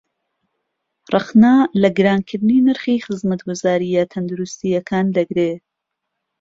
رهخنه له گرانکردنی نرخی خزمهتگوزارییه تهندروستییهکان دهگرێ